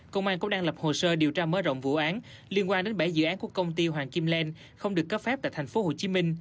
công an cũng đang lập hồ sơ điều tra mở rộng vụ án liên quan đến bảy dự án của công ty hoàng kim len không được cấp phép tại tp hcm